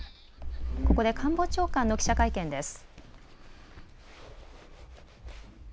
ここで官房長官の記者会見です。